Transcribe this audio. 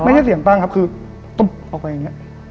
ไม่ใช่เสียงปังครับคือตุ๊บเอาแบบเอง